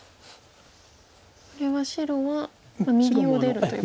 これは白は右を出ると。